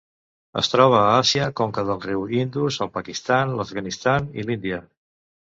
Es troba a Àsia: conca del riu Indus al Pakistan, l'Afganistan i l'Índia.